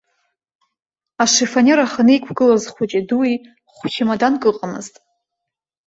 Ашифонер аханы иқәгылаз хәыҷи-дуи хә-чамаданк ыҟамызт.